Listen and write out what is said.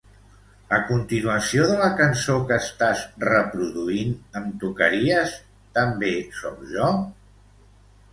A continuació de la cançó que estàs reproduint em tocaries "També soc jo"?